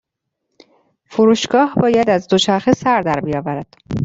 فروشگاه باید از دوچرخه سر در بیاورد.